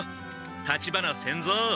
立花仙蔵！